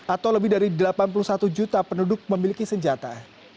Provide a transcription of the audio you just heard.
atau lebih dari delapan puluh satu juta penduduk memiliki senjata